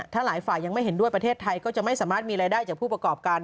ถ้าหลายฝ่ายยังไม่เห็นด้วยประเทศไทยก็จะไม่สามารถมีรายได้จากผู้ประกอบการ